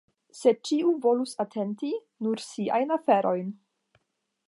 Se ĉiu volus atenti nur siajn aferojn.